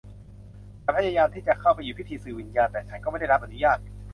ฉันพยายามที่จะเข้าไปหยุดพิธีสื่อวิญญาณ แต่ฉันก็ไม่ได้รับอนุญาต